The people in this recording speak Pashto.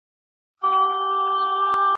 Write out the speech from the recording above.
شاعر د خپل زړه مینه په ډېر اخلاص سره بیانوي.